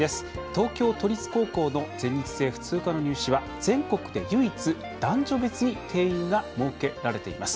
東京都立高校の全日制普通科の入試は全国で唯一男女別に定員が設けられています。